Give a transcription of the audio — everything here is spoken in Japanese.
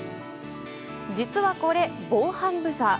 実はこれ、防犯ブザー。